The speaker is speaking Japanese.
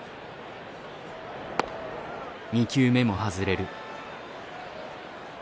２球目も外れる。